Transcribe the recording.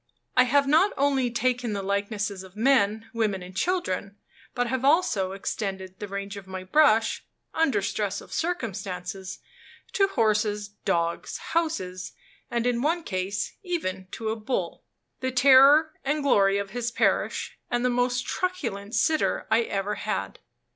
I have not only taken the likenesses of men, women, and children, but have also extended the range of my brush, under stress of circumstances, to horses, dogs, houses, and in one case even to a bull the terror and glory of his parish, and the most truculent sitter I ever had.